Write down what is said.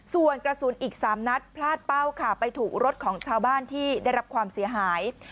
ส่วนกระสุนอีก๓นัดพลาดเป้าค่ะไปถูกรถของชาวบ้านที่ได้รับความเสียหาย